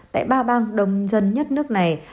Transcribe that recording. tại ba bang đông dân nhất nước này